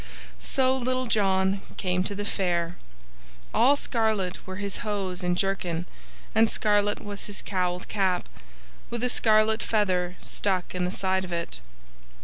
So Little John came to the Fair. All scarlet were his hose and jerkin, and scarlet was his cowled cap, with a scarlet feather stuck in the side of it.